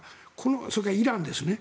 それからイランですね